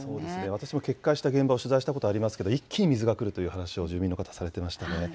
私も決壊した現場を取材したことありますけれども、一気に水が来るという話を住民の方、されてましたね。